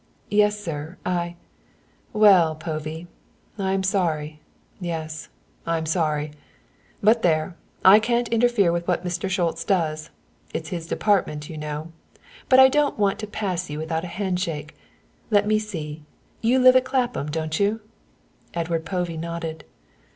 "Yes, sir, I " "Well, Povey, I'm sorry, yes, I'm sorry; but there, I can't interfere with what Mr. Schultz does, it's his department, you know, but I didn't want to pass you without a handshake. Let me see, you live at Clapham, don't you?" Edward Povey nodded.